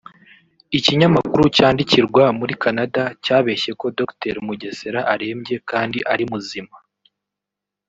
Ikinyamakuru cyandikirwa muri Canada cyabeshye ko Dr Mugesera arembye kandi ari muzima